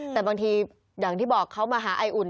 แต่บางทีอย่างที่บอกเขามาหาไออุ่น